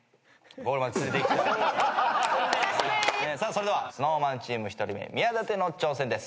それではＳｎｏｗＭａｎチーム１人目宮舘の挑戦です。